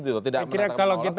tidak menata orang